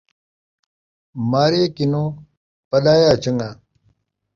مارے کنوں پݙایا چن٘ڳا